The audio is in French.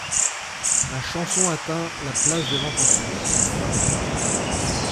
La chanson atteint la place des ventes en France.